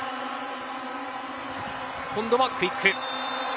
今度はクイック。